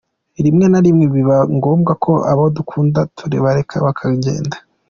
Rimwe na rimwe biba ngombwa ko abo dukunda tubareka bakagenda.